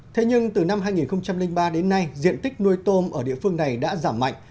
thế nhưng từ năm hai nghìn ba đến nay diện tích nuôi tôm ở địa phương này đã giảm mạnh